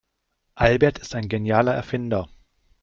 Albert ist ein genialer Erfinder.